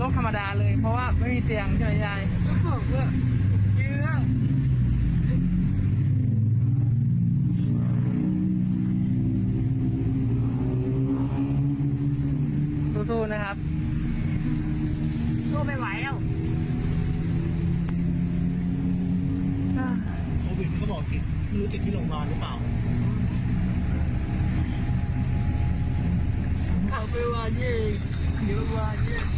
โอวิทย์มันก็บอกรู้ติดที่โรงพยาบาลหรือเปล่า